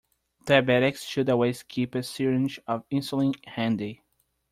Diabetics should always keep a syringe of insulin handy.